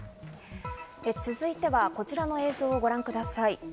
続いては、こちらの映像をご覧ください。